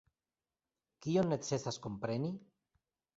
Kion necesas kompreni?